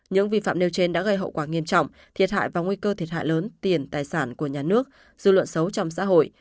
những vi phạm nêu trên đã gây hậu quả nghiêm trọng thiệt hại và nguy cơ thiệt hại lớn tiền tài sản của nhà nước dư luận xấu trong xã hội